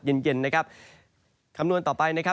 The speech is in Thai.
ก็จะมีการแผ่ลงมาแตะบ้างนะครับ